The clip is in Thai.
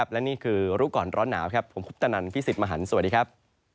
และนี่คือรู้ก่อนร้อนหนาวครับผมคุปตนันพี่สิทธิ์มหันฯสวัสดีครับ